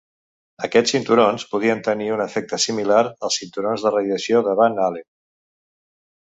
Aquests cinturons podrien tenir un efecte similar als cinturons de radiació de Van Allen.